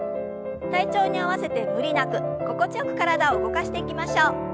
体調に合わせて無理なく心地よく体を動かしていきましょう。